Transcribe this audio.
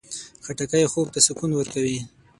خټکی خوب ته سکون ورکوي.